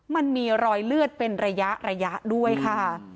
มันมีรอยเลือดเป็นระยะด้วยค่ะ